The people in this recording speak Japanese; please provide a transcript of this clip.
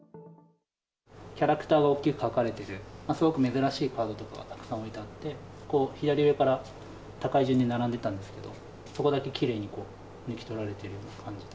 キャラクターが大きく描かれてる、すごく珍しいカードとかがたくさん置いてあって、左上から高い順に並んでたんですけど、そこだけきれいに抜き取られてるような感じで。